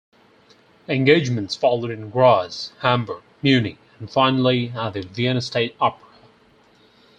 Engagements followed in Graz, Hamburg, Munich and finally at the Vienna State Opera.